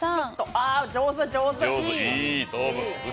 ああ、上手、上手。